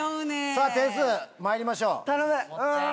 さぁ点数まいりましょう。